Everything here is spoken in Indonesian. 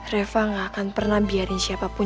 reva gak akan pernah biarin siapapun